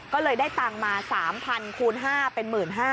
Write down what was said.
ก็เลยได้ตังค์มา๓๐๐คูณ๕เป็น๑๕๐๐